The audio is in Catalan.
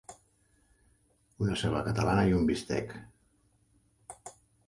Una ceba catalana i un bistec.